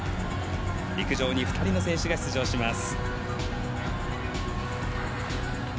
陸上に２人の選手が出場します。